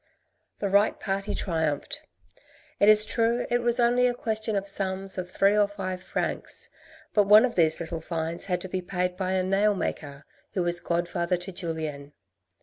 The right party triumphed. It is true it was only a question of sums of three or five francs, but one of these little fines had to be paid by a nail maker, who was god father to Julien.